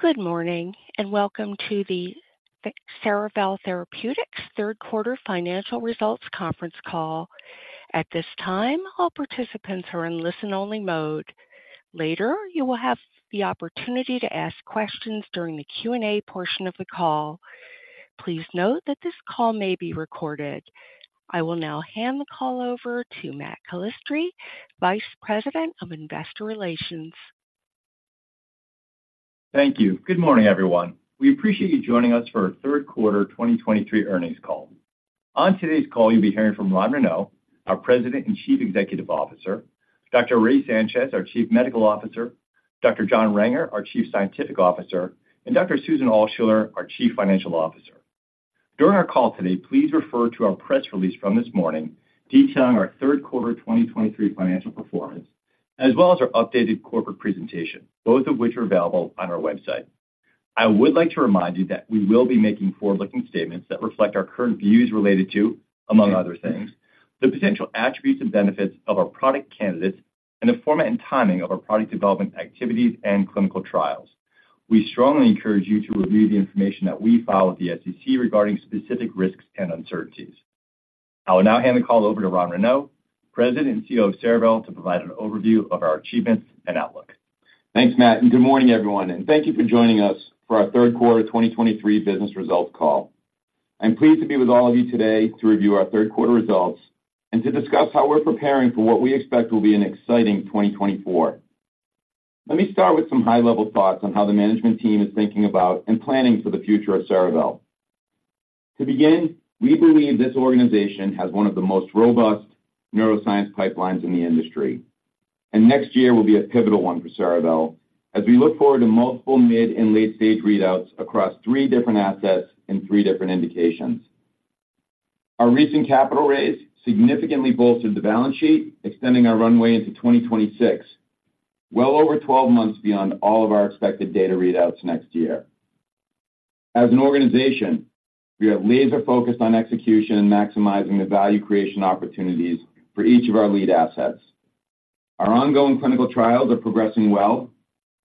Good morning, and welcome to the Cerevel Therapeutics Q3 financial results conference call. At this time, all participants are in listen-only mode. Later, you will have the opportunity to ask questions during the Q&A portion of the call. Please note that this call may be recorded. I will now hand the call over to Matt Calistri, Vice President of Investor Relations. Thank you. Good morning, everyone. We appreciate you joining us for our Q3 2023 earnings call. On today's call, you'll be hearing from Ron Renaud, our President and Chief Executive Officer, Dr. Ray Sanchez, our Chief Medical Officer, Dr. John Renger, our Chief Scientific Officer, and Dr. Susan Altschuller, our Chief Financial Officer. During our call today, please refer to our press release from this morning detailing our Q3 2023 financial performance, as well as our updated corporate presentation, both of which are available on our website. I would like to remind you that we will be making forward-looking statements that reflect our current views related to, among other things, the potential attributes and benefits of our product candidates and the format and timing of our product development activities and clinical trials. We strongly encourage you to review the information that we file with the SEC regarding specific risks and uncertainties. I will now hand the call over to Ron Renaud, President and CEO of Cerevel, to provide an overview of our achievements and outlook. Thanks, Matt, and good morning, everyone, and thank you for joining us for our Q3 2023 business results call. I'm pleased to be with all of you today to review our Q3 results and to discuss how we're preparing for what we expect will be an exciting 2024. Let me start with some high-level thoughts on how the management team is thinking about and planning for the future of Cerevel. To begin, we believe this organization has one of the most robust neuroscience pipelines in the industry, and next year will be a pivotal one for Cerevel as we look forward to multiple mid and late-stage readouts across three different assets and three different indications. Our recent capital raise significantly bolstered the balance sheet, extending our runway into 2026, well over 12 months beyond all of our expected data readouts next year. As an organization, we are laser-focused on execution and maximizing the value creation opportunities for each of our lead assets. Our ongoing clinical trials are progressing well,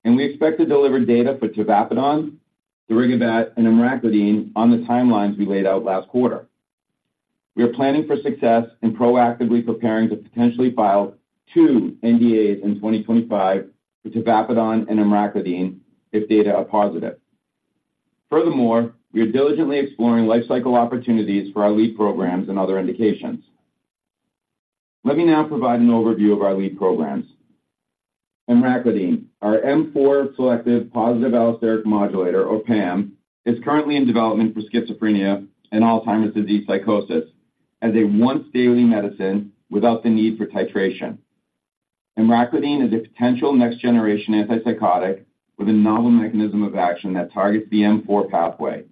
and we expect to deliver data for tavapadon, darigabat, and emraclidine on the timelines we laid out last quarter. We are planning for success and proactively preparing to potentially file two NDAs in 2025 for tavapadon and emraclidine if data are positive. Furthermore, we are diligently exploring lifecycle opportunities for our lead programs and other indications. Let me now provide an overview of our lead programs. Emraclidine, our M4 selective positive allosteric modulator, or PAM, is currently in development for schizophrenia and Alzheimer's disease psychosis as a once-daily medicine without the need for titration. Emraclidine is a potential next-generation antipsychotic with a novel mechanism of action that targets the M4 pathway.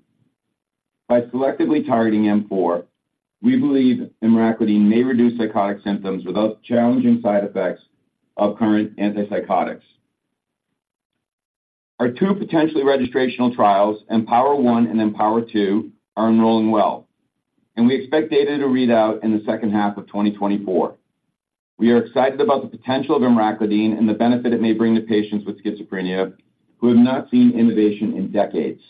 By selectively targeting M4, we believe emraclidine may reduce psychotic symptoms without challenging side effects of current antipsychotics. Our two potentially registrational trials, EMPOWER-1 and EMPOWER-2, are enrolling well, and we expect data to read out in the second half of 2024. We are excited about the potential of emraclidine and the benefit it may bring to patients with schizophrenia who have not seen innovation in decades.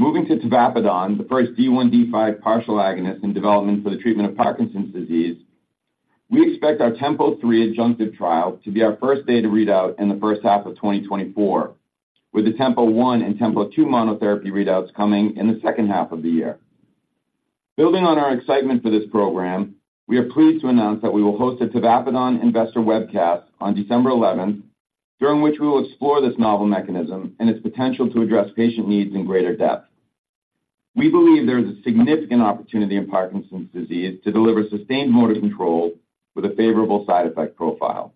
Moving to tavapadon, the first D1/D5 partial agonist in development for the treatment of Parkinson's disease, we expect our TEMPO-3 adjunctive trial to be our first data readout in the first half of 2024, with the TEMPO-1 and TEMPO-2 monotherapy readouts coming in the second half of the year. Building on our excitement for this program, we are pleased to announce that we will host a tavapadon investor webcast on December eleventh, during which we will explore this novel mechanism and its potential to address patient needs in greater depth. We believe there is a significant opportunity in Parkinson's disease to deliver sustained motor control with a favorable side effect profile.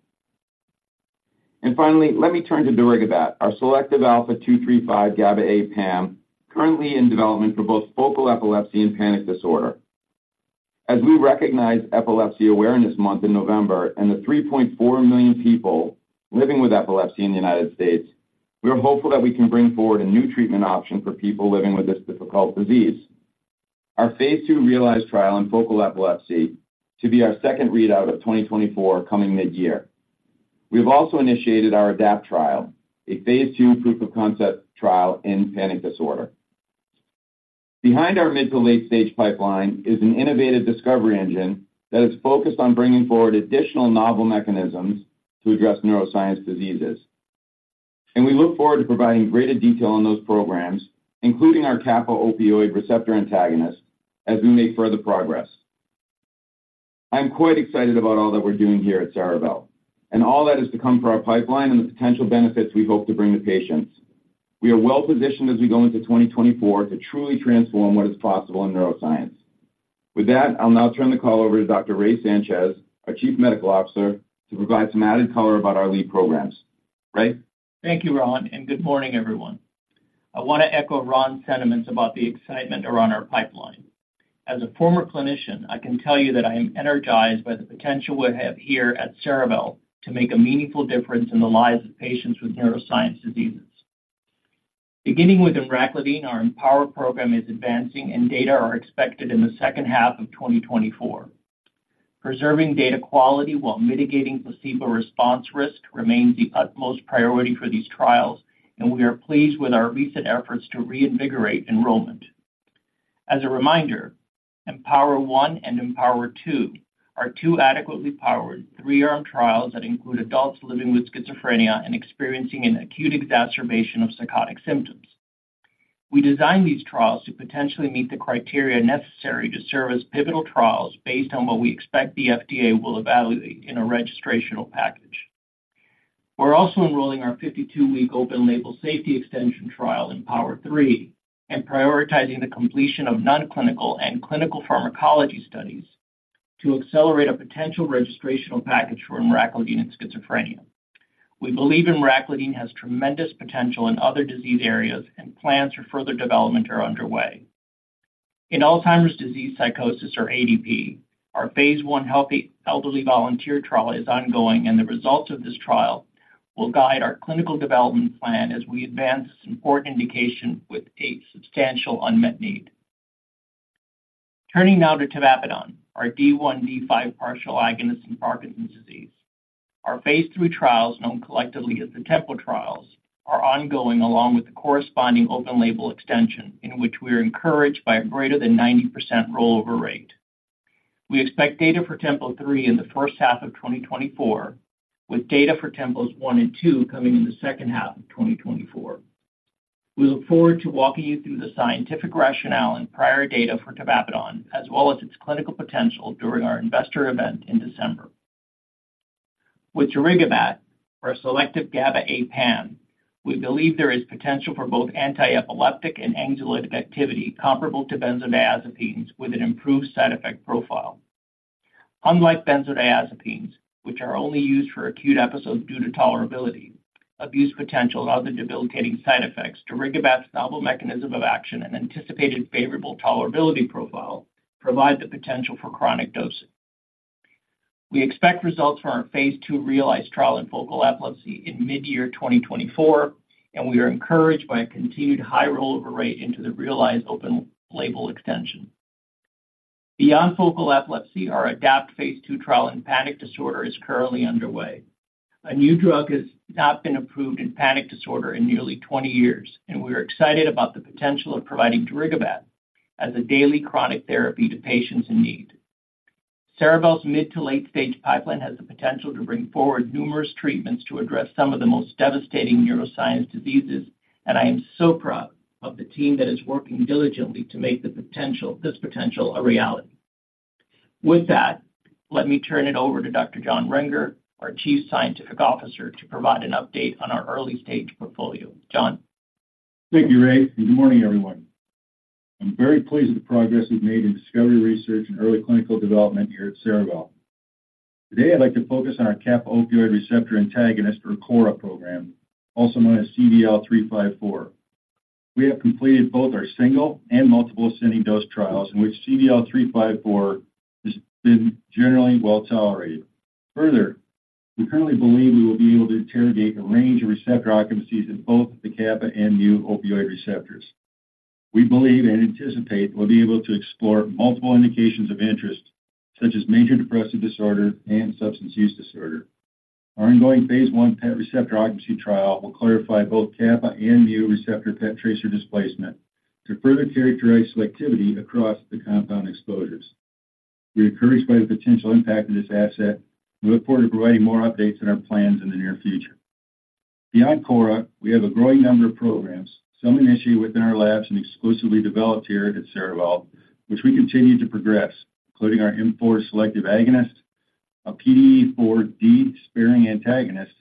Finally, let me turn to darigabat, our selective alpha 2-3-5 GABA-A PAM, currently in development for both focal epilepsy and panic disorder. As we recognize Epilepsy Awareness Month in November and the 3.4 million people living with epilepsy in the United States, we are hopeful that we can bring forward a new treatment option for people living with this difficult disease. Our phase 2 REALIZE trial in focal epilepsy to be our second readout of 2024, coming mid-year. We've also initiated our ADAPT trial, a phase 2 proof of concept trial in panic disorder. Behind our mid to late stage pipeline is an innovative discovery engine that is focused on bringing forward additional novel mechanisms to address neuroscience diseases. We look forward to providing greater detail on those programs, including our kappa-opioid receptor antagonist, as we make further progress. I'm quite excited about all that we're doing here at Cerevel and all that is to come for our pipeline and the potential benefits we hope to bring to patients. We are well positioned as we go into 2024 to truly transform what is possible in neuroscience. With that, I'll now turn the call over to Dr. Ray Sanchez, our Chief Medical Officer, to provide some added color about our lead programs. Ray? Thank you, Ron, and good morning, everyone. I want to echo Ron's sentiments about the excitement around our pipeline. As a former clinician, I can tell you that I am energized by the potential we have here at Cerevel to make a meaningful difference in the lives of patients with neuroscience diseases. Beginning with emraclidine, our EMPOWER program is advancing, and data are expected in the second half of 2024. Preserving data quality while mitigating placebo response risk remains the utmost priority for these trials, and we are pleased with our recent efforts to reinvigorate enrollment. As a reminder, EMPOWER-1 and EMPOWER-2 are two adequately powered, three-arm trials that include adults living with schizophrenia and experiencing an acute exacerbation of psychotic symptoms. We designed these trials to potentially meet the criteria necessary to serve as pivotal trials based on what we expect the FDA will evaluate in a registrational package. We're also enrolling our 52-week open-label safety extension trial in EMPOWER-3 and prioritizing the completion of non-clinical and clinical pharmacology studies to accelerate a potential registrational package for emraclidine in schizophrenia. We believe emraclidine has tremendous potential in other disease areas, and plans for further development are underway. In Alzheimer's disease psychosis, or ADP, our phase one healthy elderly volunteer trial is ongoing, and the results of this trial will guide our clinical development plan as we advance this important indication with a substantial unmet need. Turning now to tavapadon, our D1/D5 partial agonist in Parkinson's disease. Our phase three trials, known collectively as the TEMPO trials, are ongoing, along with the corresponding open label extension, in which we are encouraged by a greater than 90% rollover rate. We expect data for TEMPO-3 in the first half of 2024, with data for TEMPO-1 and 2 coming in the second half of 2024. We look forward to walking you through the scientific rationale and prior data for tavapadon, as well as its clinical potential during our investor event in December. With darigabat, our selective GABA-A PAM, we believe there is potential for both antiepileptic and anxiolytic activity comparable to benzodiazepines with an improved side effect profile. Unlike benzodiazepines, which are only used for acute episodes due to tolerability, abuse potential, and other debilitating side effects, darigabat's novel mechanism of action and anticipated favorable tolerability profile provide the potential for chronic dosing. We expect results from our phase 2 REALIZE trial in focal epilepsy in mid-year 2024, and we are encouraged by a continued high rollover rate into the REALIZE open label extension. Beyond focal epilepsy, our ADAPT phase 2 trial in panic disorder is currently underway. A new drug has not been approved in panic disorder in nearly 20 years, and we are excited about the potential of providing darigabat as a daily chronic therapy to patients in need. Cerevel's mid to late stage pipeline has the potential to bring forward numerous treatments to address some of the most devastating neuroscience diseases, and I am so proud of the team that is working diligently to make this potential a reality. With that, let me turn it over to Dr. John Renger, our Chief Scientific Officer, to provide an update on our early stage portfolio. John? Thank you, Ray, and good morning, everyone. I'm very pleased with the progress we've made in discovery, research, and early clinical development here at Cerevel. Today, I'd like to focus on our kappa-opioid receptor antagonist, or KORA program, also known as CVL-354. We have completed both our single and multiple ascending dose trials, in which CVL-354 has been generally well tolerated. Further, we currently believe we will be able to interrogate a range of receptor occupancies in both the kappa and mu opioid receptors. We believe and anticipate we'll be able to explore multiple indications of interest, such as major depressive disorder and substance use disorder. Our ongoing phase 1 PET receptor occupancy trial will clarify both kappa and mu receptor PET tracer displacement to further characterize selectivity across the compound exposures. We are encouraged by the potential impact of this asset and look forward to providing more updates on our plans in the near future. Beyond KORA, we have a growing number of programs, some initiated within our labs and exclusively developed here at Cerevel, which we continue to progress, including our M4 selective agonist, a PDE4D sparing antagonist,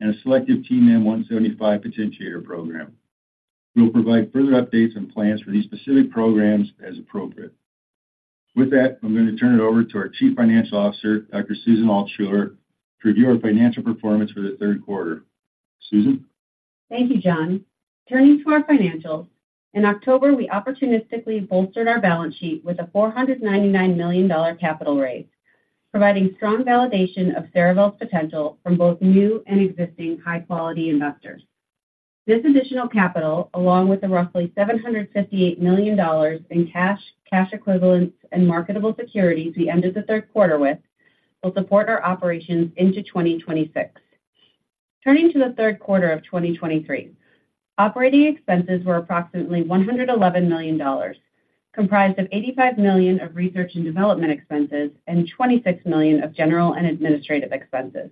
and a selective TMEM175 potentiator program. We'll provide further updates and plans for these specific programs as appropriate. With that, I'm going to turn it over to our Chief Financial Officer, Dr. Susan Altschuller, to review our financial performance for the Q3. Susan? Thank you, John. Turning to our financials, in October, we opportunistically bolstered our balance sheet with a $499 million capital raise, providing strong validation of Cerevel's potential from both new and existing high-quality investors. This additional capital, along with the roughly $758 million in cash, cash equivalents, and marketable securities we ended the Q3 with, will support our operations into 2026. Turning to the Q3 of 2023, operating expenses were approximately $111 million, comprised of $85 million of research and development expenses and $26 million of general and administrative expenses.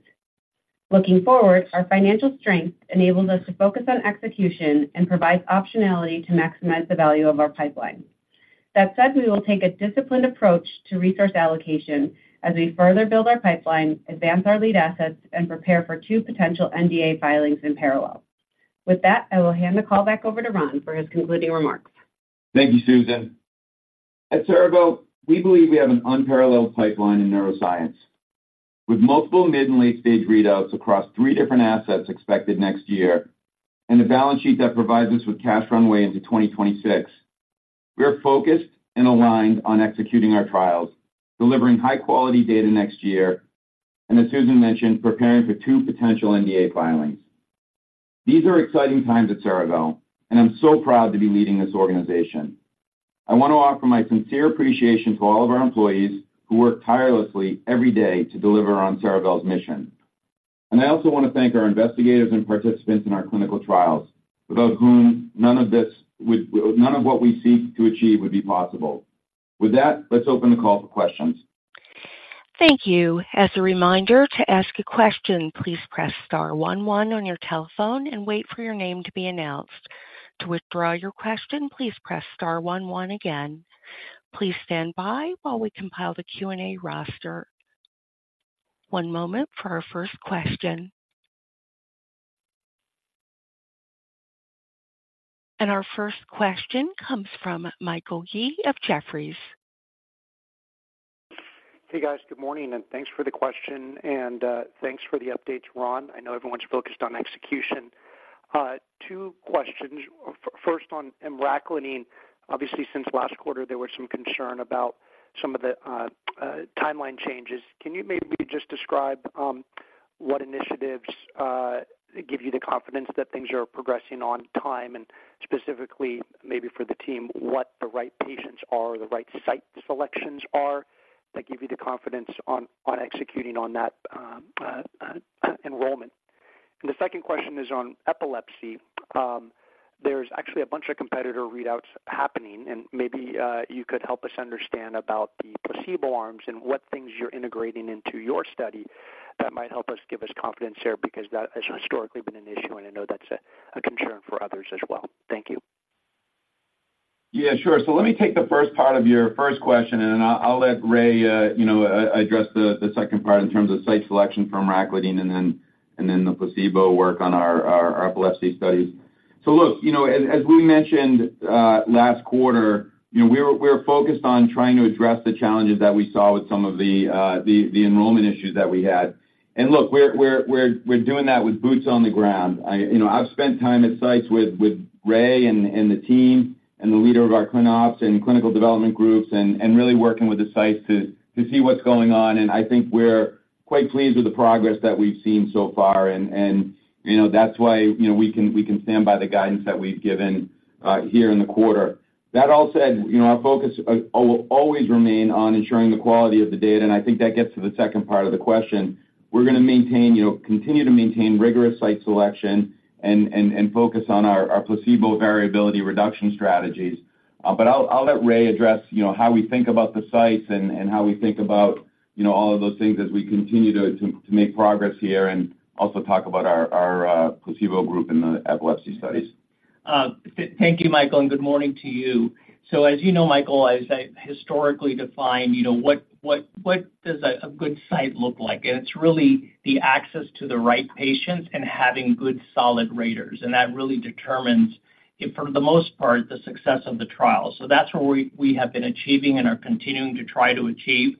Looking forward, our financial strength enables us to focus on execution and provides optionality to maximize the value of our pipeline. That said, we will take a disciplined approach to resource allocation as we further build our pipeline, advance our lead assets, and prepare for 2 potential NDA filings in parallel. With that, I will hand the call back over to Ron for his concluding remarks. Thank you, Susan. At Cerevel, we believe we have an unparalleled pipeline in neuroscience. With multiple mid and late stage readouts across three different assets expected next year and a balance sheet that provides us with cash runway into 2026, we are focused and aligned on executing our trials, delivering high-quality data next year, and as Susan mentioned, preparing for two potential NDA filings. These are exciting times at Cerevel, and I'm so proud to be leading this organization. I want to offer my sincere appreciation to all of our employees who work tirelessly every day to deliver on Cerevel's mission. And I also want to thank our investigators and participants in our clinical trials, without whom none of what we seek to achieve would be possible. With that, let's open the call for questions. Thank you. As a reminder, to ask a question, please press * one, one on your telephone and wait for your name to be announced. To withdraw your question, please press * one, one again. Please stand by while we compile the Q&A roster. One moment for our first question. Our first question comes from Michael Yee of Jefferies. Hey, guys. Good morning, and thanks for the question, and thanks for the updates, Ron. I know everyone's focused on execution. Two questions. First, on emraclidine. Obviously, since last quarter, there was some concern about some of the timeline changes. Can you maybe just describe what initiatives give you the confidence that things are progressing on time, and specifically, maybe for the team, what the right patients are, or the right site selections are, that give you the confidence on executing on that enrollment? And the second question is on epilepsy. There's actually a bunch of competitor readouts happening, and maybe you could help us understand about the placebo arms and what things you're integrating into your study that might help us give us confidence there, because that has historically been an issue, and I know that's a concern for others as well. Thank you. Yeah, sure. So let me take the first part of your first question, and then I'll let Ray address the second part in terms of site selection for emraclidine and then the placebo work on our epilepsy studies. So look, you know, as we mentioned last quarter, you know, we're focused on trying to address the challenges that we saw with some of the enrollment issues that we had. And look, we're doing that with boots on the ground. You know, I've spent time at sites with Ray and the team and the leader of our clin ops and clinical development groups and really working with the sites to see what's going on. I think we're quite pleased with the progress that we've seen so far, and you know, that's why, you know, we can stand by the guidance that we've given here in the quarter. That all said, you know, our focus will always remain on ensuring the quality of the data, and I think that gets to the second part of the question. We're going to maintain, you know, continue to maintain rigorous site selection and focus on our placebo variability reduction strategies. But I'll let Ray address, you know, how we think about the sites and how we think about, you know, all of those things as we continue to make progress here, and also talk about our placebo group in the epilepsy studies. Thank you, Michael, and good morning to you. So as you know, Michael, as I historically define, you know, what does a good site look like? And it's really the access to the right patients and having good, solid raters. And that really determines if, for the most part, the success of the trial. So that's where we have been achieving and are continuing to try to achieve.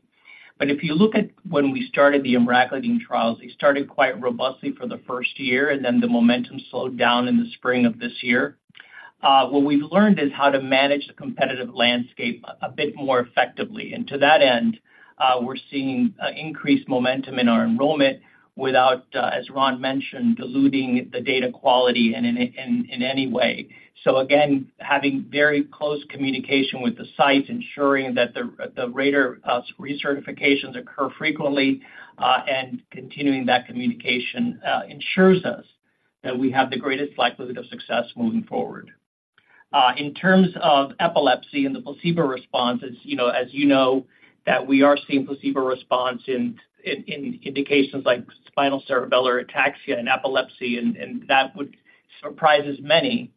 But if you look at when we started the emraclidine trials, they started quite robustly for the first year, and then the momentum slowed down in the spring of this year. What we've learned is how to manage the competitive landscape a bit more effectively. And to that end, we're seeing increased momentum in our enrollment without, as Ron mentioned, diluting the data quality in any way. So again, having very close communication with the sites, ensuring that the rater recertifications occur frequently, and continuing that communication ensures us that we have the greatest likelihood of success moving forward. In terms of epilepsy and the placebo responses, you know, as you know, that we are seeing placebo response in indications like spinocerebellar ataxia and epilepsy, and that would surprise as many.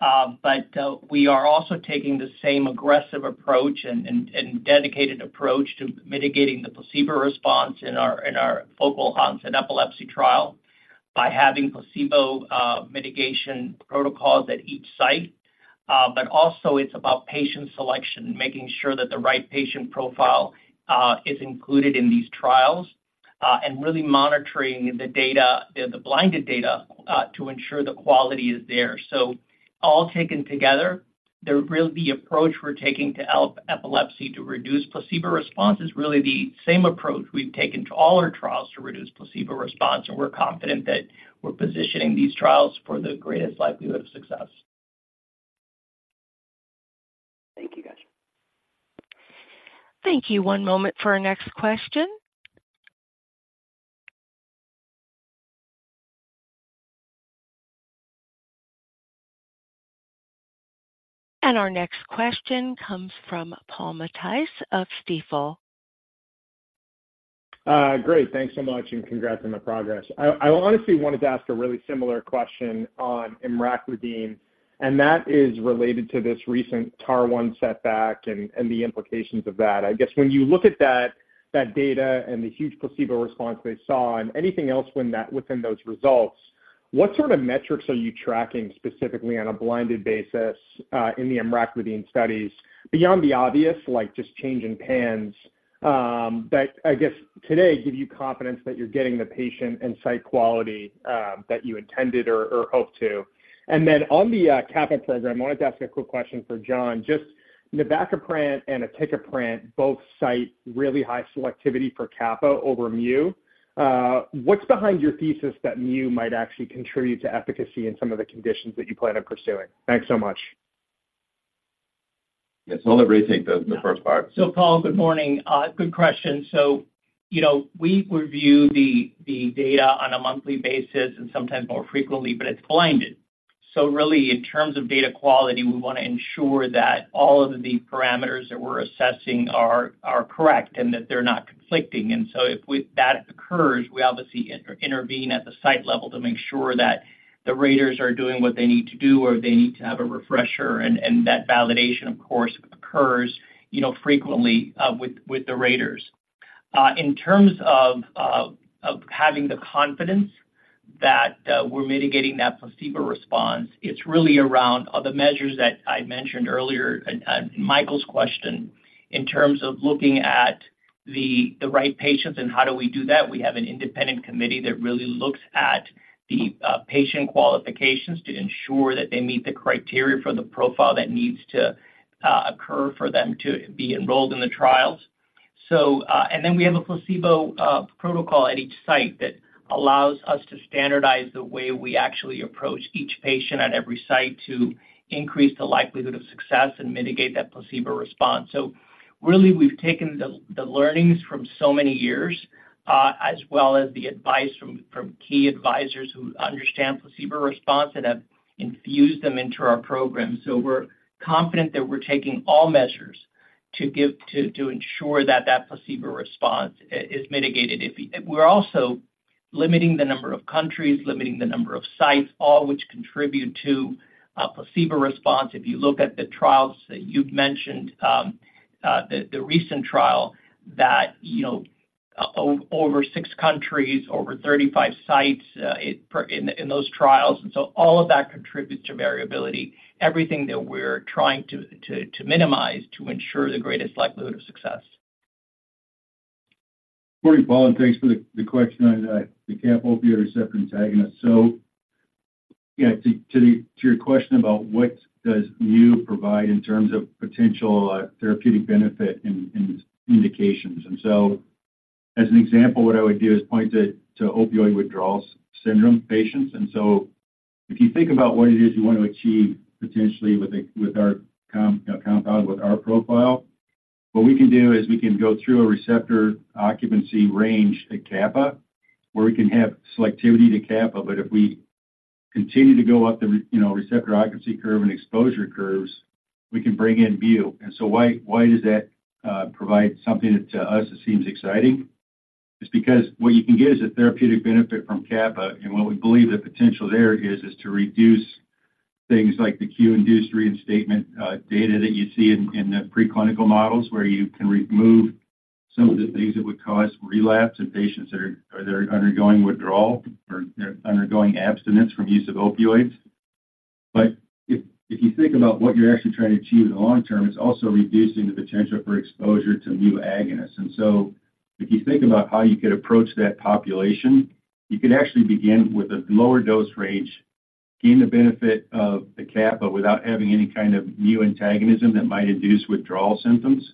But we are also taking the same aggressive approach and dedicated approach to mitigating the placebo response in our focal onset epilepsy trial by having placebo mitigation protocols at each site. But also it's about patient selection, making sure that the right patient profile is included in these trials, and really monitoring the data, the blinded data, to ensure the quality is there. So all taken together, the approach we're taking to help epilepsy to reduce placebo response is really the same approach we've taken to all our trials to reduce placebo response, and we're confident that we're positioning these trials for the greatest likelihood of success. Thank you, guys. Thank you. One moment for our next question. Our next question comes from Paul Matteis of Stifel. Great. Thanks so much, and congrats on the progress. I honestly wanted to ask a really similar question on emraclidine, and that is related to this recent TAAR-1 setback and the implications of that. I guess when you look at that data and the huge placebo response they saw and anything else within those results, what sort of metrics are you tracking specifically on a blinded basis in the emraclidine studies? Beyond the obvious, like just changing PANSS, that I guess to date give you confidence that you're getting the patient and site quality that you intended or hope to. And then on the kappa program, I wanted to ask a quick question for John. Just navacaprant and aticaprant both cite really high selectivity for kappa over mu. What's behind your thesis that mu might actually contribute to efficacy in some of the conditions that you plan on pursuing? Thanks so much. Yes, so let me retake the first part. So Paul, good morning. Good question. So, you know, we review the data on a monthly basis and sometimes more frequently, but it's blinded. So really, in terms of data quality, we want to ensure that all of the parameters that we're assessing are correct and that they're not conflicting. And so if that occurs, we obviously intervene at the site level to make sure that the raters are doing what they need to do, or they need to have a refresher, and that validation, of course, occurs, you know, frequently with the raters. In terms of having the confidence that we're mitigating that placebo response, it's really around the measures that I mentioned earlier in Michael's question, in terms of looking at the right patients, and how do we do that? We have an independent committee that really looks at the patient qualifications to ensure that they meet the criteria for the profile that needs to occur for them to be enrolled in the trials. So, and then we have a placebo protocol at each site that allows us to standardize the way we actually approach each patient at every site to increase the likelihood of success and mitigate that placebo response. So really, we've taken the learnings from so many years as well as the advice from key advisors who understand placebo response and have infused them into our program. So we're confident that we're taking all measures to give to ensure that that placebo response is mitigated. If we're also limiting the number of countries, limiting the number of sites, all which contribute to a placebo response. If you look at the trials that you've mentioned, the recent trial that, you know, over 6 countries, over 35 sites, in those trials, and so all of that contributes to variability, everything that we're trying to minimize, to ensure the greatest likelihood of success. Morning, Paul, and thanks for the question on the kappa-opioid receptor antagonist. So, yeah, to your question about what does mu provide in terms of potential therapeutic benefit and indications. And so, as an example, what I would do is point to opioid withdrawal syndrome patients. And so if you think about what it is you want to achieve, potentially with our compound, with our profile, what we can do is we can go through a receptor occupancy range at kappa, where we can have selectivity to kappa. But if we continue to go up the receptor occupancy curve and exposure curves, we can bring in mu. And so why does that provide something that to us seems exciting? It's because what you can get is a therapeutic benefit from kappa, and what we believe the potential there is, is to reduce things like the cue-induced reinstatement data that you see in the preclinical models, where you can remove some of the things that would cause relapse in patients that are either undergoing withdrawal or they're undergoing abstinence from use of opioids. But if you think about what you're actually trying to achieve in the long term, it's also reducing the potential for exposure to mu agonists. And so if you think about how you could approach that population, you could actually begin with a lower dose range, gain the benefit of the kappa without having any kind of mu antagonism that might induce withdrawal symptoms.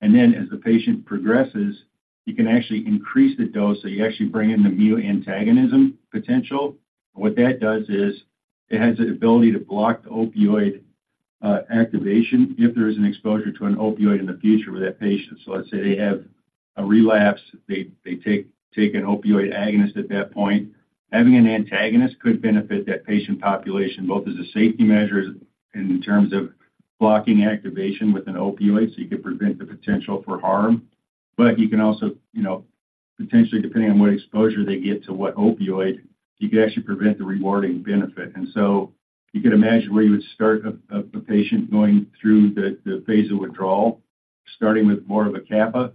And then as the patient progresses, you can actually increase the dose, so you actually bring in the mu antagonism potential. What that does is, it has the ability to block the opioid activation if there is an exposure to an opioid in the future with that patient. So let's say they have a relapse, they take an opioid agonist at that point. Having an antagonist could benefit that patient population, both as a safety measure and in terms of blocking activation with an opioid, so you could prevent the potential for harm. But you can also, you know, potentially, depending on what exposure they get to what opioid, you could actually prevent the rewarding benefit. And so you could imagine where you would start a patient going through the phase of withdrawal, starting with more of a kappa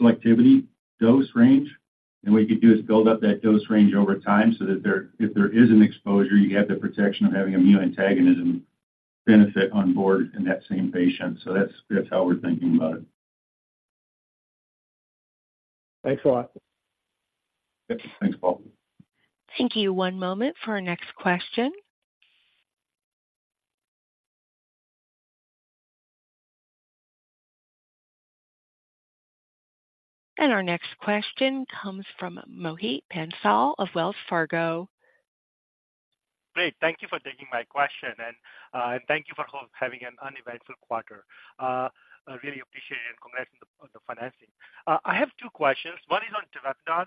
selectivity dose range. What you could do is build up that dose range over time so that there, if there is an exposure, you have the protection of having a mu antagonism benefit on board in that same patient. So that's, that's how we're thinking about it. Thanks a lot. Yep. Thanks, Paul. Thank you. One moment for our next question. Our next question comes from Mohit Bansal of Wells Fargo. Great. Thank you for taking my question, and thank you for having an uneventful quarter. I really appreciate it and congrats on the financing. I have two questions. One is on tavapadon.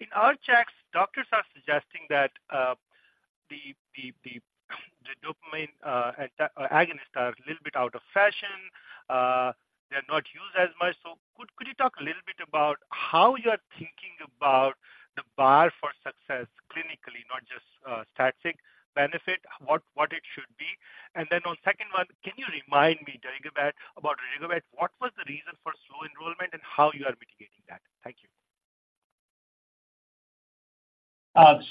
In our checks, doctors are suggesting that the dopamine antagonist-agonist are a little bit out of fashion, they're not used as much. So could you talk a little bit about how you are thinking about the bar for success clinically, not just static benefit, what it should be? And then on second one, can you remind me, darigabat, about darigabat, what was the reason for slow enrollment and how you are mitigating that? Thank you.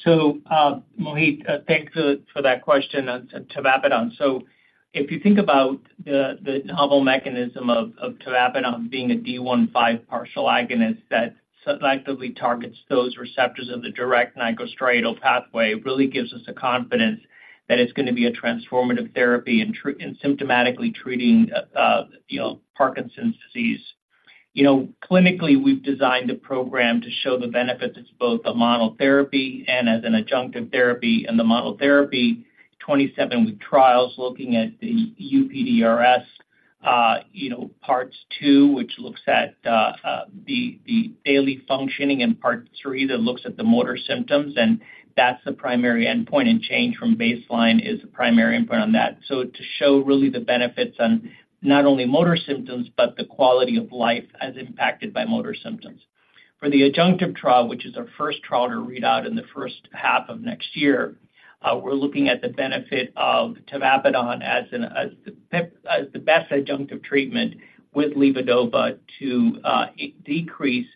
So, Mohit, thanks for that question on tavapadon. If you think about the novel mechanism of tavapadon being a D1/D5 partial agonist that selectively targets those receptors of the direct nigrostriatal pathway, it really gives us the confidence that it's going to be a transformative therapy in symptomatically treating, you know, Parkinson's disease. You know, clinically, we've designed the program to show the benefits as both a monotherapy and as an adjunctive therapy. In the monotherapy, 27-week trials looking at the UPDRS, you know, parts 2, which looks at the daily functioning, and part 3, that looks at the motor symptoms, and that's the primary endpoint, and change from baseline is the primary endpoint on that. So to show really the benefits on not only motor symptoms, but the quality of life as impacted by motor symptoms. For the adjunctive trial, which is our first trial to read out in the first half of next year, we're looking at the benefit of tavapadon as an, as, as the best adjunctive treatment with levodopa to, decrease,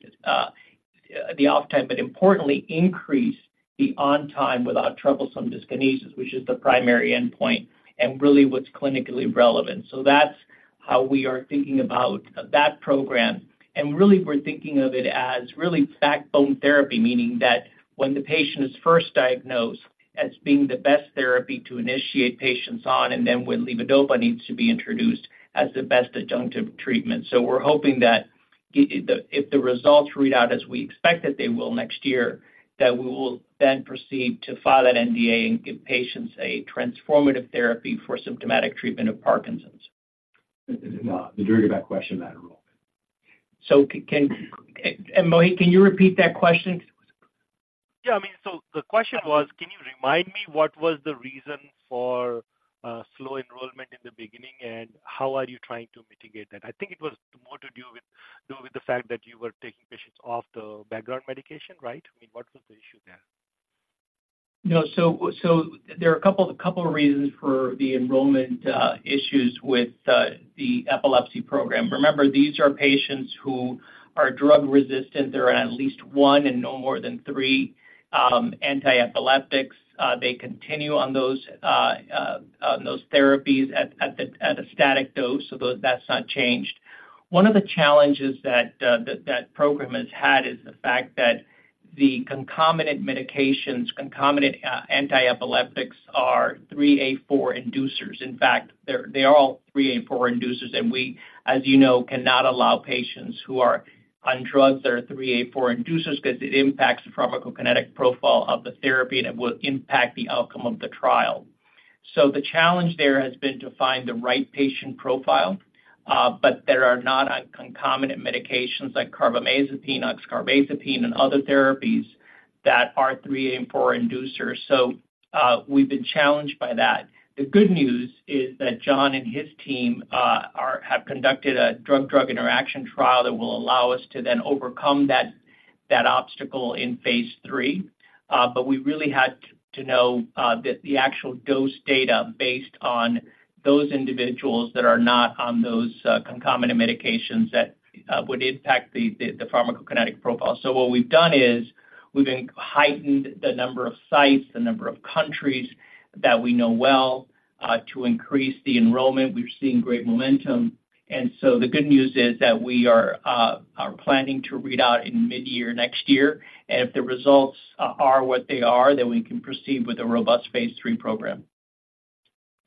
the off time, but importantly, increase the on time without troublesome dyskinesia, which is the primary endpoint and really what's clinically relevant. So that's how we are thinking about that program. And really, we're thinking of it as really backbone therapy, meaning that when the patient is first diagnosed as being the best therapy to initiate patients on, and then when levodopa needs to be introduced as the best adjunctive treatment. So we're hoping that if the results read out as we expect that they will next year, that we will then proceed to file that NDA and give patients a transformative therapy for symptomatic treatment of Parkinson's. The darigabat question, Matt, enrollment. So, Mohit, can you repeat that question? Yeah, I mean, so the question was, can you remind me what was the reason for slow enrollment in the beginning, and how are you trying to mitigate that? I think it was more to do with the fact that you were taking patients off the background medication, right? I mean, what was the issue there? No, so there are a couple of reasons for the enrollment issues with the epilepsy program. Remember, these are patients who are drug-resistant. They're on at least one and no more than three antiepileptics. They continue on those therapies at a static dose, so that's not changed. One of the challenges that that program has had is the fact that the concomitant medications, concomitant antiepileptics, are 3A4 inducers. In fact, they are all 3A4 inducers, and as you know, we cannot allow patients who are on drugs that are 3A4 inducers because it impacts the pharmacokinetic profile of the therapy, and it will impact the outcome of the trial. So the challenge there has been to find the right patient profile, but that are not on concomitant medications like carbamazepine, oxcarbazepine, and other therapies that are 3A4 inducers. So, we've been challenged by that. The good news is that John and his team have conducted a drug-drug interaction trial that will allow us to then overcome that obstacle in phase 3. But we really had to know the actual dose data based on those individuals that are not on those concomitant medications that would impact the pharmacokinetic profile. So what we've done is we've heightened the number of sites, the number of countries that we know well to increase the enrollment. We've seen great momentum. And so the good news is that we are planning to read out in midyear next year, and if the results are what they are, then we can proceed with a robust phase 3 program.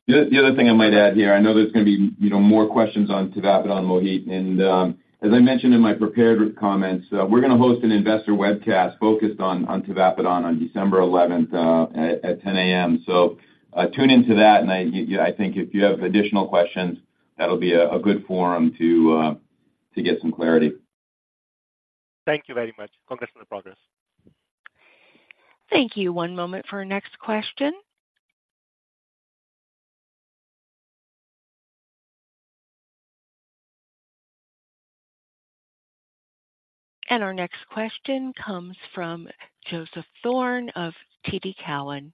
The other thing I might add here, I know there's going to be, you know, more questions on tavapadon, Mohit. As I mentioned in my prepared comments, we're going to host an investor webcast focused on tavapadon on December eleventh at 10:00 A.M. So tune into that, and I think if you have additional questions, that'll be a good forum to get some clarity. Thank you very much. Congratulations on the progress. Thank you. One moment for our next question. Our next question comes from Joseph Thome of TD Cowen.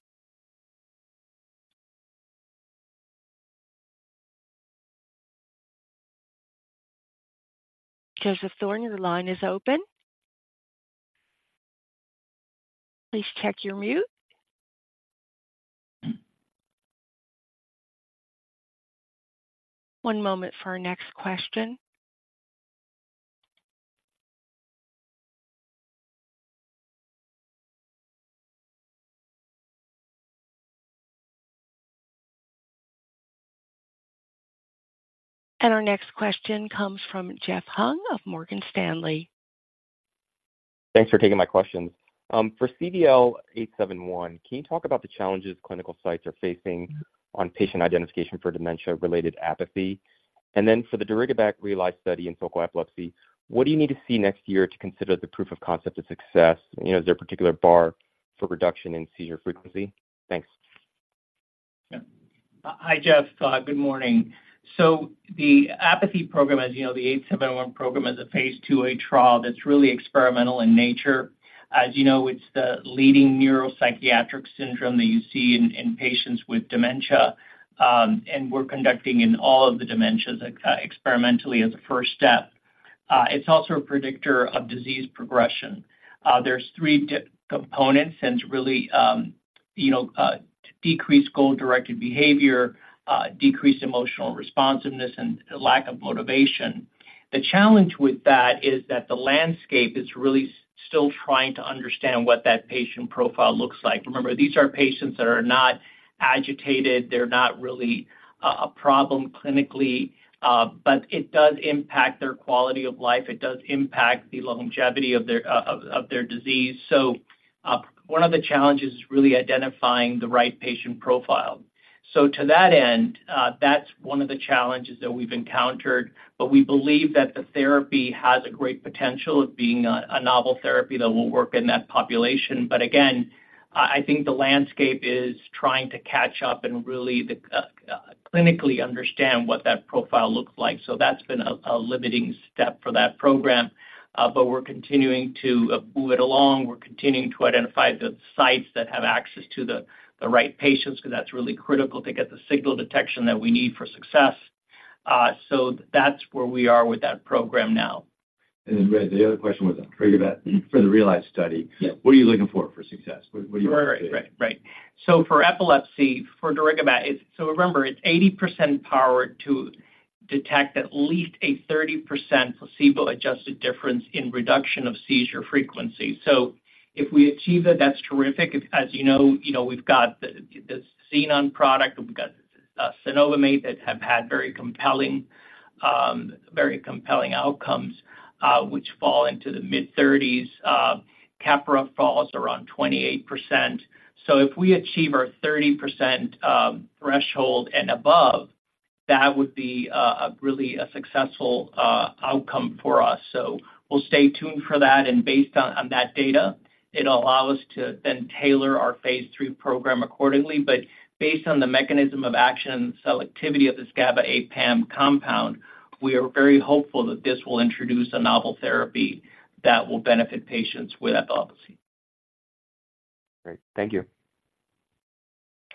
Joseph Thome, the line is open. Please check your mute. One moment for our next question. Our next question comes from Jeff Hung of Morgan Stanley. Thanks for taking my questions. For CVL-871, can you talk about the challenges clinical sites are facing on patient identification for dementia-related apathy? And then for the darigabat REALISE study in focal epilepsy, what do you need to see next year to consider the proof of concept a success? You know, is there a particular bar for reduction in seizure frequency? Thanks. Yeah. Hi, Jeff, good morning. So the apathy program, as you know, the 871 program, is a phase IIa trial that's really experimental in nature. As you know, it's the leading neuropsychiatric syndrome that you see in patients with dementia, and we're conducting in all of the dementias experimentally as a first step. It's also a predictor of disease progression. There's three components, and it's really, you know, decreased goal-directed behavior, decreased emotional responsiveness, and lack of motivation. The challenge with that is that the landscape is really still trying to understand what that patient profile looks like. Remember, these are patients that are not agitated, they're not really a problem clinically, but it does impact their quality of life. It does impact the longevity of their of their disease. So, one of the challenges is really identifying the right patient profile. So to that end, that's one of the challenges that we've encountered, but we believe that the therapy has a great potential of being a novel therapy that will work in that population. But again, I think the landscape is trying to catch up and really, clinically understand what that profile looks like. So that's been a limiting step for that program, but we're continuing to move it along. We're continuing to identify the sites that have access to the right patients, because that's really critical to get the signal detection that we need for success. So that's where we are with that program now. And then, Greg, the other question was on darigabat for the REALIZE study. Yes. What are you looking for, for success? What, what do you- Right, right, right. So for epilepsy, for darigabat, it's so remember, it's 80% powered to detect at least a 30% placebo-adjusted difference in reduction of seizure frequency. So if we achieve it, that's terrific. As you know, you know, we've got the, the Xenon product, and we've got cenobamate that have had very compelling, very compelling outcomes, which fall into the mid-30s. Keppra falls around 28%. So if we achieve our 30% threshold and above, that would be a really successful outcome for us. So we'll stay tuned for that, and based on that data, it'll allow us to then tailor our phase 3 program accordingly. But based on the mechanism of action and selectivity of this GABA-A PAM compound, we are very hopeful that this will introduce a novel therapy that will benefit patients with epilepsy. Great. Thank you.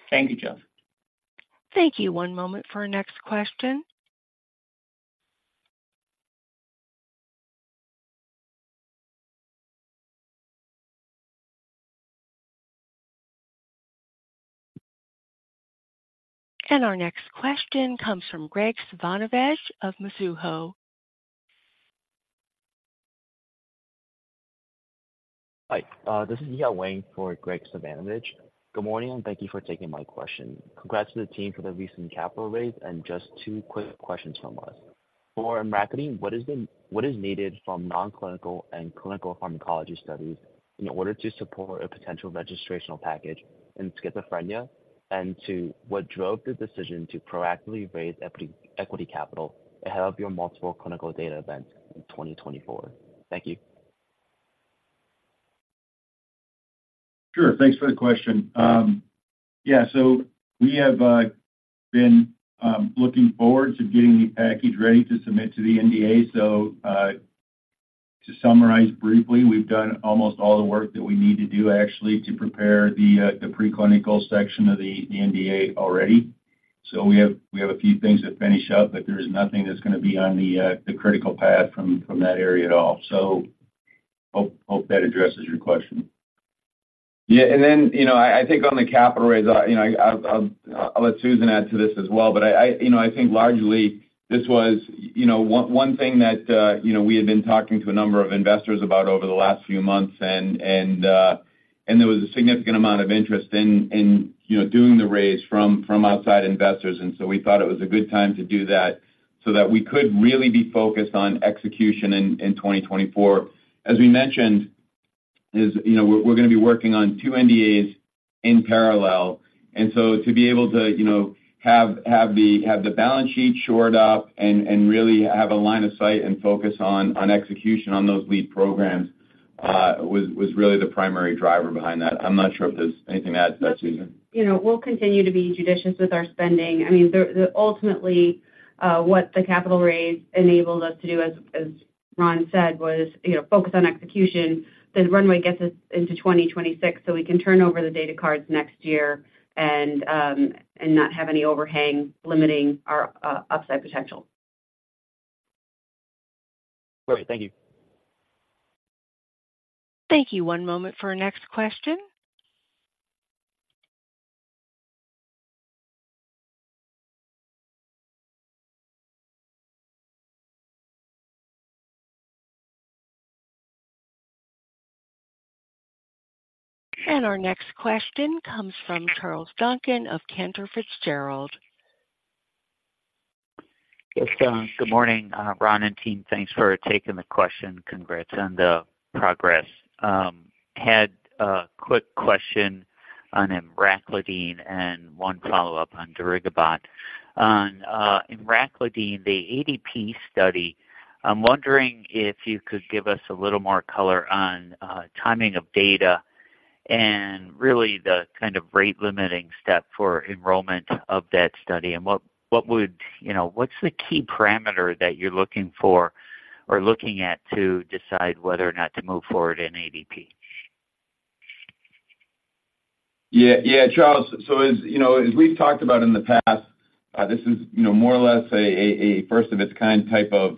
Thank you, Jeff. Thank you. One moment for our next question. Our next question comes from Graig Suvannavejh of Mizuho. Hi, this is Yi Wang for Graig Suvannavejh, Good morning, and thank you for taking my question. Congrats to the team for the recent capital raise, and just two quick questions from us. For emraclidine, what is needed from non-clinical and clinical pharmacology studies in order to support a potential registrational package in schizophrenia? And two, what drove the decision to proactively raise equity, equity capital ahead of your multiple clinical data events in 2024? Thank you. Sure. Thanks for the question. Yeah, so we have been looking forward to getting the package ready to submit to the NDA. So, to summarize briefly, we've done almost all the work that we need to do, actually, to prepare the preclinical section of the NDA already. So we have a few things to finish up, but there is nothing that's going to be on the critical path from that area at all. So hope that addresses your question. Yeah, and then, you know, I think on the capital raise, you know, I'll let Susan add to this as well, but I, you know, I think largely this was, you know, one thing that, you know, we had been talking to a number of investors about over the last few months, and there was a significant amount of interest in, you know, doing the raise from outside investors. And so we thought it was a good time to do that, so that we could really be focused on execution in 2024. As we mentioned, you know, we're going to be working on two NDAs in parallel. So to be able to, you know, have the balance sheet shored up and really have a line of sight and focus on execution on those lead programs was really the primary driver behind that. I'm not sure if there's anything to add to that, Susan. You know, we'll continue to be judicious with our spending. I mean, ultimately, what the capital raise enabled us to do, as Ron said, was, you know, focus on execution. The runway gets us into 2026, so we can turn over the data cards next year and not have any overhang limiting our upside potential. Great. Thank you. Thank you. One moment for our next question. Our next question comes from Charles Duncan of Cantor Fitzgerald. Yes. Good morning, Ron and team. Thanks for taking the question. Congrats on the progress. Had a quick question on emraclidine and one follow-up on darigabat. On, emraclidine, the ADP study, I'm wondering if you could give us a little more color on, timing of data and really the kind of rate-limiting step for enrollment of that study and what would—you know, what's the key parameter that you're looking for or looking at to decide whether or not to move forward in ADP? Yeah, yeah, Charles. So as, you know, as we've talked about in the past, this is, you know, more or less a first-of-its-kind type of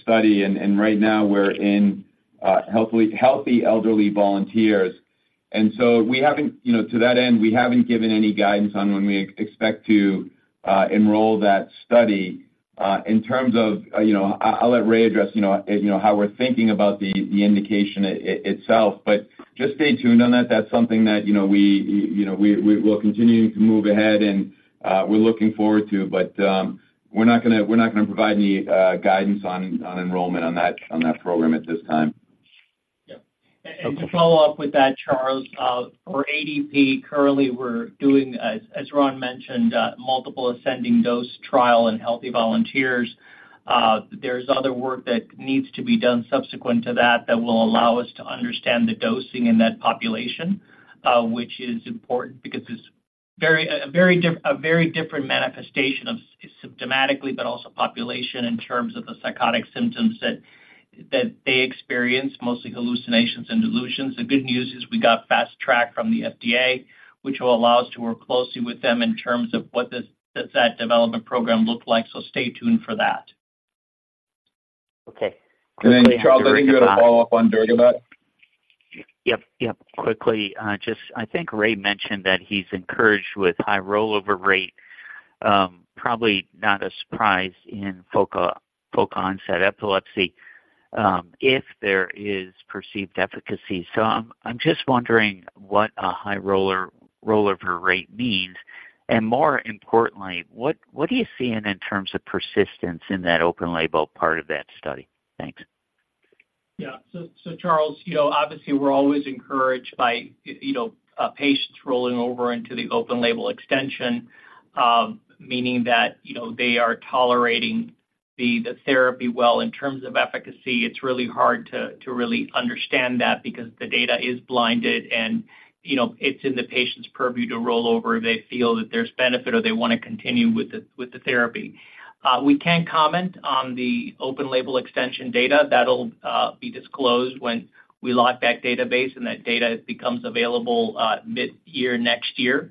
study. And right now, we're in healthy elderly volunteers. And so we haven't, you know, to that end, we haven't given any guidance on when we expect to enroll that study. In terms of, you know, I'll let Ray address, you know, how we're thinking about the indication itself, but just stay tuned on that. That's something that, you know, we, you know, we will continue to move ahead, and we're looking forward to, but we're not gonna, we're not gonna provide any guidance on enrollment on that program at this time. Yeah. And to follow up with that, Charles, for ADP, currently we're doing, as Ron mentioned, multiple ascending dose trial in healthy volunteers. There's other work that needs to be done subsequent to that, that will allow us to understand the dosing in that population, which is important because it's very, a very different manifestation of symptomatically, but also population in terms of the psychotic symptoms that they experience, mostly hallucinations and delusions. The good news is we got fast track from the FDA, which will allow us to work closely with them in terms of what this, that development program looked like. So stay tuned for that. Okay. Then, Charles, I think you had a follow-up on darigabat? Yep, yep. Quickly, just I think Ray mentioned that he's encouraged with high rollover rate, probably not a surprise in focal onset epilepsy, if there is perceived efficacy. So I'm just wondering what a high rollover rate means, and more importantly, what are you seeing in terms of persistence in that open label part of that study? Thanks. Yeah. So, Charles, you know, obviously, we're always encouraged by, you know, patients rolling over into the open label extension, meaning that, you know, they are tolerating the therapy well. In terms of efficacy, it's really hard to really understand that because the data is blinded and, you know, it's in the patient's purview to roll over if they feel that there's benefit or they wanna continue with the therapy. We can comment on the open label extension data. That'll be disclosed when we lock that database, and that data becomes available, mid-year next year.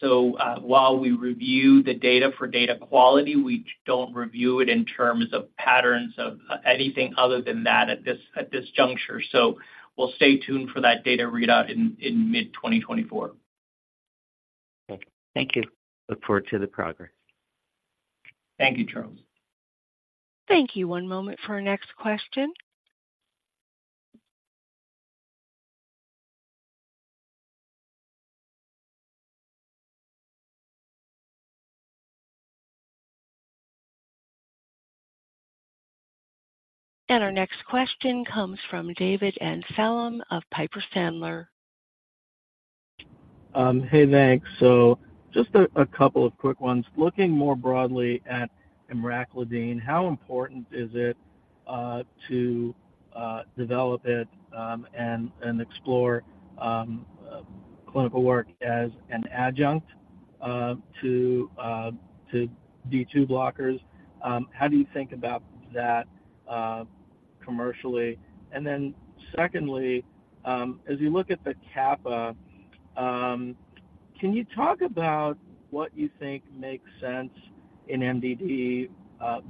So, while we review the data for data quality, we don't review it in terms of patterns of anything other than that at this juncture. So we'll stay tuned for that data readout in mid-2024. Okay. Thank you. Look forward to the progress. Thank you, Charles. Thank you. One moment for our next question. Our next question comes from David Amsellem of Piper Sandler. Hey, thanks. So just a couple of quick ones. Looking more broadly at emraclidine, how important is it to develop it and explore clinical work as an adjunct to D2 blockers? How do you think about that commercially? And then secondly, as you look at the kappa, can you talk about what you think makes sense in MDD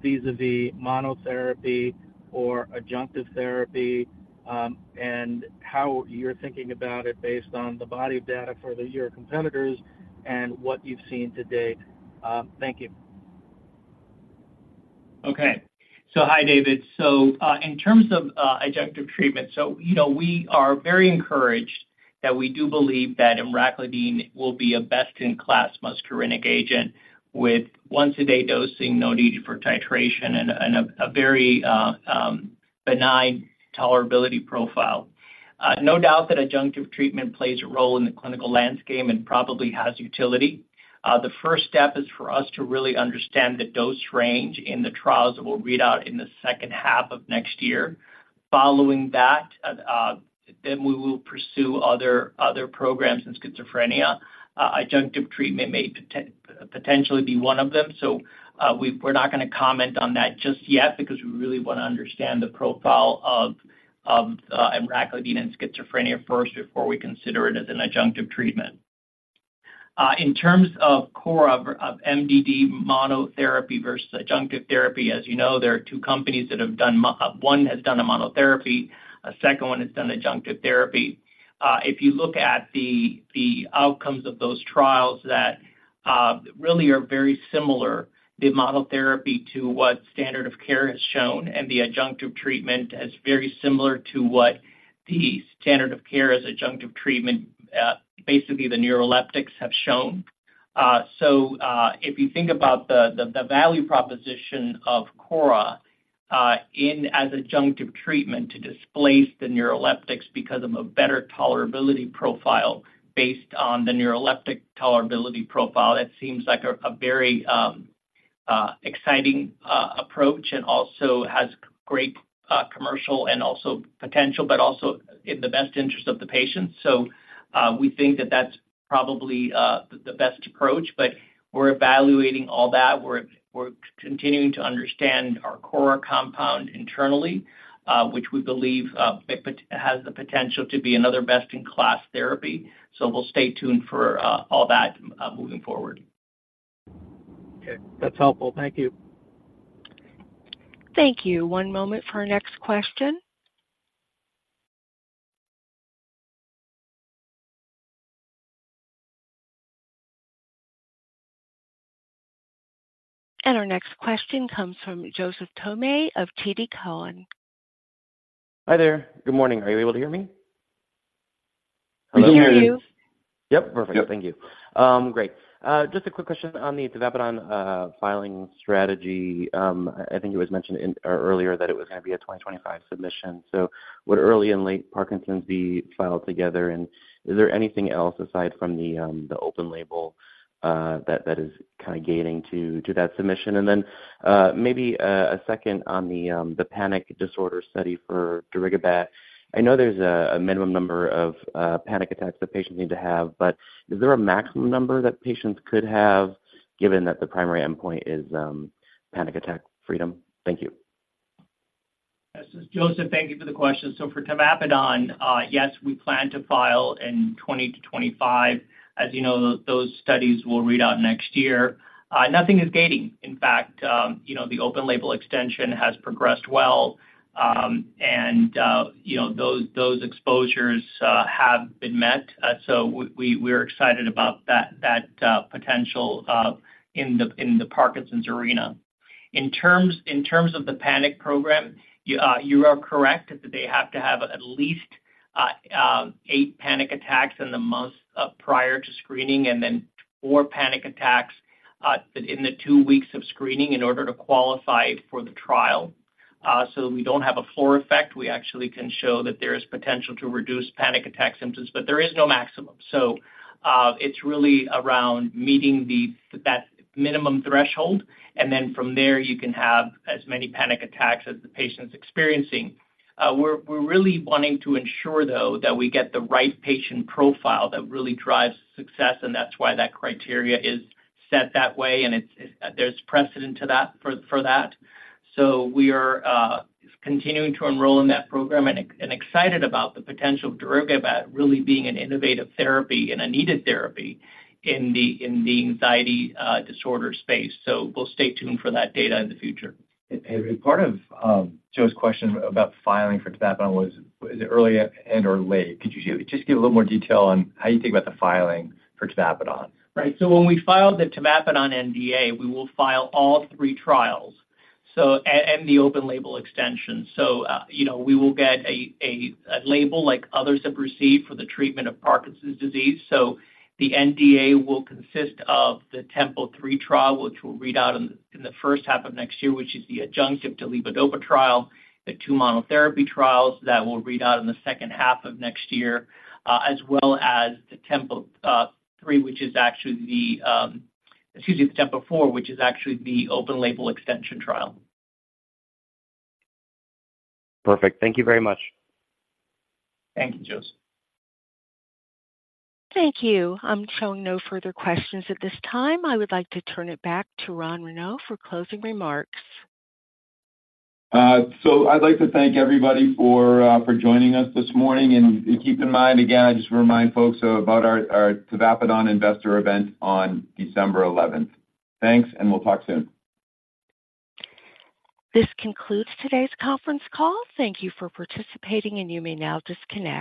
vis-a-vis monotherapy or adjunctive therapy, and how you're thinking about it based on the body of data for your competitors and what you've seen to date? Thank you. Okay. Hi, David. In terms of adjunctive treatment, you know, we are very encouraged that we do believe that emraclidine will be a best-in-class muscarinic agent with once a day dosing, no need for titration, and a very benign tolerability profile. No doubt that adjunctive treatment plays a role in the clinical landscape and probably has utility. The first step is for us to really understand the dose range in the trials that we'll read out in the second half of next year. Following that, then we will pursue other programs in schizophrenia. Adjunctive treatment may potentially be one of them. We're not gonna comment on that just yet because we really want to understand the profile of emraclidine and schizophrenia first before we consider it as an adjunctive treatment. In terms of KORA of MDD monotherapy versus adjunctive therapy, as you know, there are two companies that have done—one has done a monotherapy, a second one has done adjunctive therapy. If you look at the outcomes of those trials that really are very similar, the monotherapy to what standard of care has shown and the adjunctive treatment as very similar to what the standard of care as adjunctive treatment, basically the neuroleptics have shown. So, if you think about the value proposition of KORA in as adjunctive treatment to displace the neuroleptics because of a better tolerability profile based on the neuroleptic tolerability profile, that seems like a very exciting approach and also has great commercial and also potential, but also in the best interest of the patient. So, we think that that's probably the best approach, but we're evaluating all that. We're continuing to understand our KORA compound internally, which we believe it has the potential to be another best-in-class therapy. So we'll stay tuned for all that moving forward. Okay. That's helpful. Thank you.... Thank you. One moment for our next question. Our next question comes from Joseph Thome of TD Cowen. Hi there. Good morning. Are you able to hear me? We can hear you. Yep, perfect. Thank you. Great. Just a quick question on the tavapadon filing strategy. I think it was mentioned earlier that it was going to be a 2025 submission. So would early and late Parkinson's be filed together, and is there anything else aside from the open label that is kind of gating to that submission? And then, maybe a second on the panic disorder study for darigabat. I know there's a minimum number of panic attacks that patients need to have, but is there a maximum number that patients could have, given that the primary endpoint is panic attack freedom? Thank you. This is Joseph. Thank you for the question. So for tavapadon, yes, we plan to file in 20-25. As you know, those studies will read out next year. Nothing is gating. In fact, you know, the open label extension has progressed well, and you know, those exposures have been met. So we're excited about that potential in the Parkinson's arena. In terms of the panic program, you are correct that they have to have at least eight panic attacks in the months prior to screening and then four panic attacks in the two weeks of screening in order to qualify for the trial. So we don't have a floor effect. We actually can show that there is potential to reduce panic attack symptoms, but there is no maximum. So, it's really around meeting that minimum threshold, and then from there, you can have as many panic attacks as the patient's experiencing. We're really wanting to ensure, though, that we get the right patient profile that really drives success, and that's why that criteria is set that way, and there's precedent to that. So we are continuing to enroll in that program and excited about the potential of darigabat really being an innovative therapy and a needed therapy in the anxiety disorder space. So we'll stay tuned for that data in the future. Part of Joe's question about filing for tavapadon was, is it early and or late? Could you just give a little more detail on how you think about the filing for tavapadon? Right. So when we file the tavapadon NDA, we will file all three trials, and the open label extension. So, you know, we will get a label like others have received for the treatment of Parkinson's disease. So the NDA will consist of the TEMPO-3 trial, which will read out in the first half of next year, which is the adjunctive to levodopa trial, the two monotherapy trials that will read out in the second half of next year, as well as the TEMPO-3, which is actually the TEMPO-4, which is actually the open label extension trial. Perfect. Thank you very much. Thank you, Joseph. Thank you. I'm showing no further questions at this time. I would like to turn it back to Ron Renaud for closing remarks. I'd like to thank everybody for joining us this morning. Keep in mind, again, I just remind folks about our tavapadon investor event on December eleventh. Thanks, and we'll talk soon. This concludes today's conference call. Thank you for participating, and you may now disconnect.